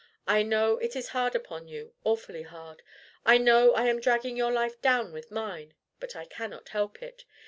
I know it is hard upon you, awfully hard. I know I am dragging your life down with mine, but I cannot help it.